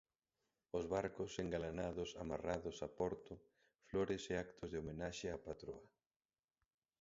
Os barcos engalanados amarrados a porto, flores e actos de homenaxe á patroa.